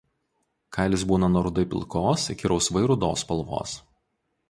Kailis būna nuo rudai pilkos iki rausvai rudos spalvos.